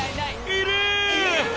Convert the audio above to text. いる！？